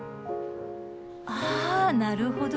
あなるほど。